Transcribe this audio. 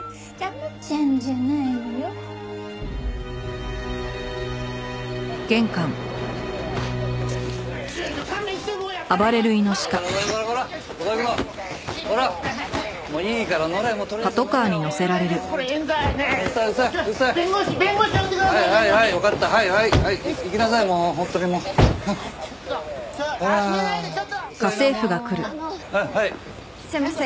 あのすいません。